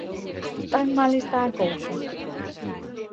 Tan mal está a cousa?